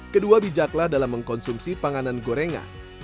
kedua bijaklah dalam mengkonsumsi terat